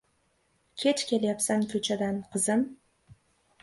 Kech kelyapsan kuchadan quzim